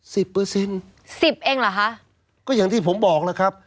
เปอร์เซ็นต์สิบเองเหรอคะก็อย่างที่ผมบอกแล้วครับ